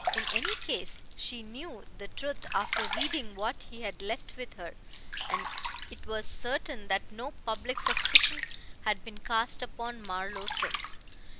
In any case, she knew the truth after reading what he had left with her; and it was certain that no public suspicion had been cast upon Marlowe since.